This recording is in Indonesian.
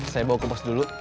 saya bawa ke pos dulu